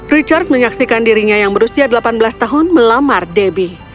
richard menyaksikan dirinya yang berusia delapan belas tahun melamar debbie